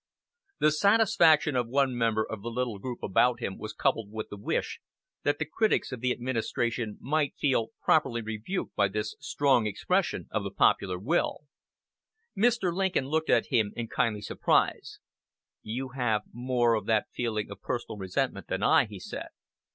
The satisfaction of one member of the little group about him was coupled with the wish that the critics of the administration might feel properly rebuked by this strong expression of the popular will. Mr. Lincoln looked at him in kindly surprise. "You have more of that feeling of personal resentment than I," he said.